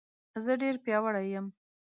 زه ډېر پیاوړی یم